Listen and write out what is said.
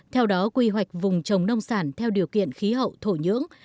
theo đó quy hoạch vùng trồng nông sản theo điều kiện khí hậu thổ nhưỡng